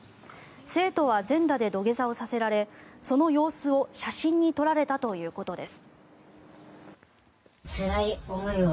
生徒は全裸で土下座をさせられその様子を写真に撮られたということです。